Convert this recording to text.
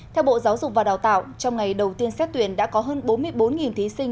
theo bộ giáo dục và đào tạo trong ngày đầu tiên xét tuyển đã có hơn bốn mươi bốn thí sinh